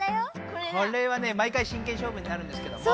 これはね毎回しんけん勝負になるんですけども。